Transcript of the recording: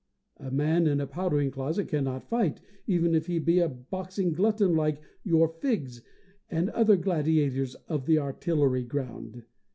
A man in a powdering closet cannot fight, even if he be a boxing glutton like your Figs and other gladiators of the Artillery Ground.